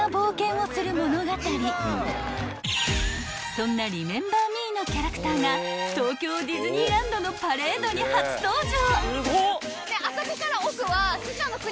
［そんな『リメンバー・ミー』のキャラクターが東京ディズニーランドのパレードに初登場］